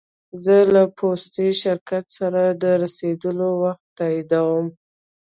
زه له پوستي شرکت سره د رسېدو وخت تاییدوم.